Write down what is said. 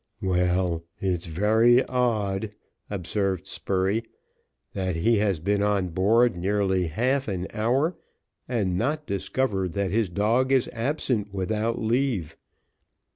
"Well, it's very odd," observed Spurey, "that he has been on board nearly half an hour, and not discovered that his dog is absent without leave."